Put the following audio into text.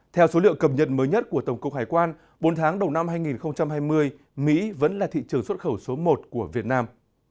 theo số liệu cập nhật mới nhất của tổng cục hải quan bốn tháng đầu năm hai nghìn hai mươi mỹ vẫn là thị trường xuất khẩu số một của việt nam